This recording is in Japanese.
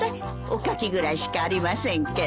おかきぐらいしかありませんけど。